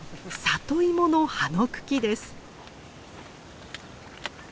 里芋の葉の茎です。